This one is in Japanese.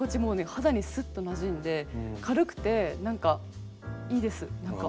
肌にスッとなじんで軽くて何かいいです何か。